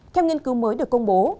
kem nghiên cứu mới được công bố